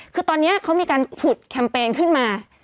คือตอนนี้เขามีการผุดแคมเปญขึ้นมา